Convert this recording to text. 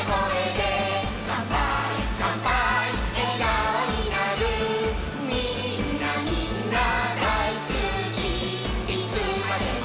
「かんぱーいかんぱーいえがおになる」「みんなみんなだいすきいつまでもなかよし」